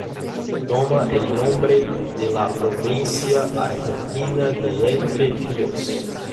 Toma el nombre de la provincia argentina de Entre Ríos.